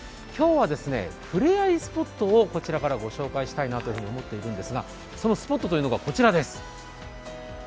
今日は触れ合いスポットをこちらから御紹介したいなと思っているんですがそのスポットというのがこちらです。